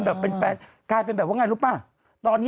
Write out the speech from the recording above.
แบบเป็นแบบกาเลยเป็นแบบว่าน่ารู้ปะตอนนี้